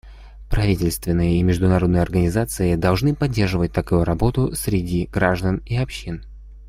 Правительства и международные организации должны поддерживать такую работу среди граждан и общин.